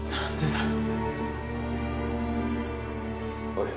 おい。